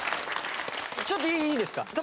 ちょっといいですか？